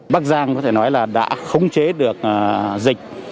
bắc giang có thể nói là đã khống chế được dịch